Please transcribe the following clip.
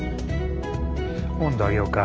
温度上げよか。